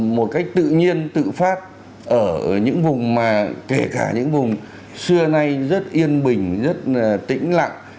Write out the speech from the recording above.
một cách tự nhiên tự phát ở những vùng mà kể cả những vùng xưa nay rất yên bình rất là tĩnh lặng